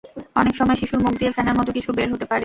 অনেক সময় শিশুর মুখ দিয়ে ফেনার মতো কিছু বের হতে পারে।